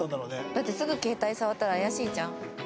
だってすぐ携帯触ったら怪しいじゃん。